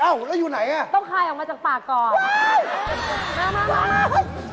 อ้าวแล้ว๓อย่างนี้แบบไหนราคาถูกที่สุด